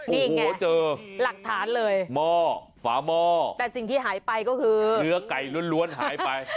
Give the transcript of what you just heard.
โอ้โหเจอม่อฝาหม่อแต่สิ่งที่หายไปก็คือนี่แง่หลักฐานเลย